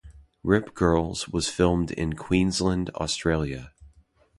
"Rip Girls" was filmed in Queensland, Australia.